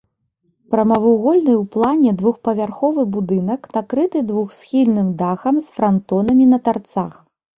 Прамавугольны ў плане двухпавярховы будынак накрыты двухсхільным дахам з франтонамі на тарцах.